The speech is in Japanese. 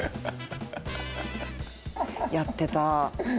やってた。